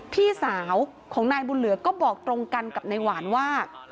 พี่สาวของนายบุญเหลือก็บอกตรงกันกับนายหวานว่า